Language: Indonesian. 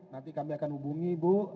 nanti kami akan hubungi ibu